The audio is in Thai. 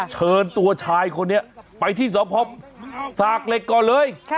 เชิญตัวชายคนนี้ไปที่สพสากเหล็กก่อนเลย